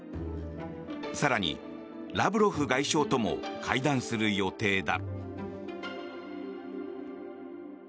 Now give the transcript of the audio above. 更に、ラブロフ外相とも会談する予定だ。